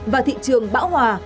và thị trường bão hòa